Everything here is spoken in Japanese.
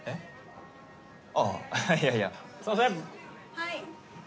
はい。